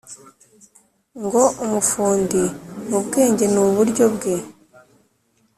ngo umufundi mu bwenge n’uburyo bwe